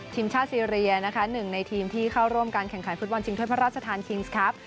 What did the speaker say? ทีมชาติซีเรียนะคะหนึ่งในทีมที่เข้าร่วมการแข่งขันฟุตบอลชิงถ้วยพระราชทานคิงส์ครับ